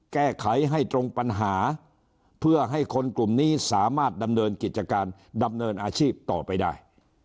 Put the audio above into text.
แก้ไขให้ตรงปัญหาเพื่อให้คนกลุ่มนี้สามารถดำเนินกิจการดำเนินอาชีพต่อไปได้